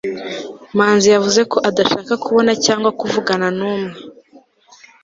manzi yavuze ko adashaka kubona cyangwa kuvugana n'umwe